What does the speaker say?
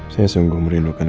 saya sungguh merilukan